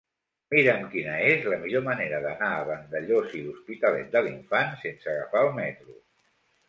Mira'm quina és la millor manera d'anar a Vandellòs i l'Hospitalet de l'Infant sense agafar el metro.